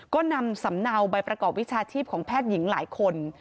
ก็นำสำเนาใบประกอบวิชาชีพของแพทย์หญิงหลายคน